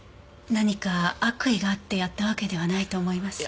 何か悪意があってやったわけではないと思います。